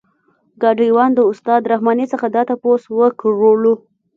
ګاډی وان د استاد رحماني څخه دا تپوس وکړلو.